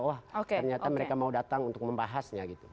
oh ternyata mereka mau datang untuk membahasnya gitu